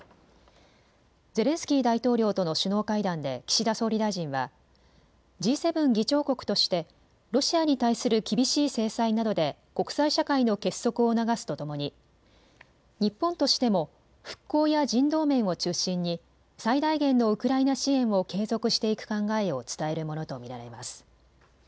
ゼレンスキー大統領との首脳会談で岸田総理大臣はＧ７議長国としてロシアに対する厳しい制裁などで国際社会の結束を促すとともに日本としても復興や人道面を中心に最大限のウクライナ支援を継続していく考えを伝えるものと見られます。